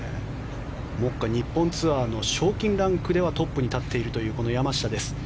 目下、日本ツアーの賞金ランクではトップに立っているという山下です。